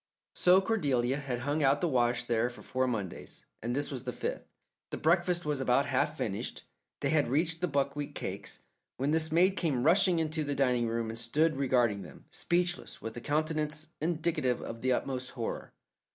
So Cordelia had hung out the wash there for four Mondays, and this was the fifth. The breakfast was about half finished they had reached the buckwheat cakes when this maid came rushing into the dining room and stood regarding them, speechless, with a countenance indicative of the utmost horror.